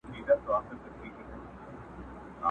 کورونا چي پر دنیا خپل وزر خپور کړ.!